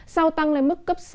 sau tăng lên mức cấp sáu